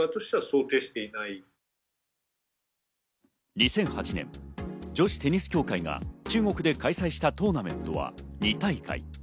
２００８年、女子テニス協会が中国で開催したトーナメントは２大会。